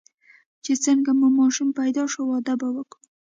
چې څنګه مو ماشوم پیدا شو، واده به وکړو.